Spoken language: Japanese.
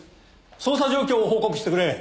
捜査状況を報告してくれ。